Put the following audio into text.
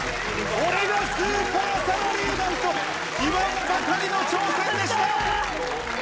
これがスーパーサラリーマンと言わんばかりの挑戦でした。